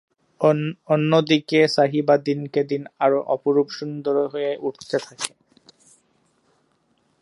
অন্য দিকে সাহিবা দিনকে দিন আরও অপরূপ সুন্দরী হয়ে উঠতে থাকে।